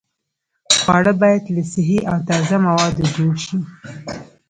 خواړه باید له صحي او تازه موادو جوړ شي.